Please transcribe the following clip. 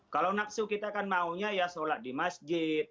kalau naksu kita kan maunya ya sholat di masjid